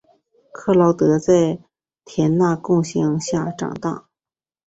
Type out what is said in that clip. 克劳德在田纳西乡下长大。